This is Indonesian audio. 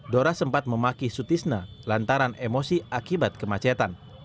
dora sempat memaki sutisna lantaran emosi akibat kemacetan